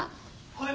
はい。